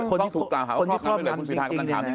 ต้องถูกครอบงำด้วยเลยคุณสุธานก็ต้องทำอย่างนี้